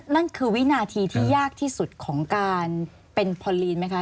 นั่นคือวินาทีที่ยากที่สุดของการเป็นพอลีนไหมคะ